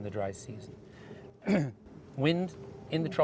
dan acara kecemasan di jeneponto